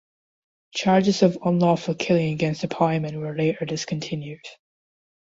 Charges of unlawful killing against the pieman were later discontinued.